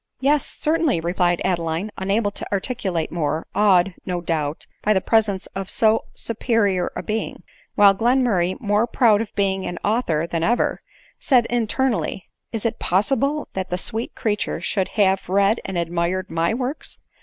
—" Yes, certainly," replied Adeline, unable to articulate more, awed no doubt by the presence of so superior a being ; while Glenmurray, more proud of being an au thor than ever, said internally, "Is it possible that that sweet creature should have read and admired my works?"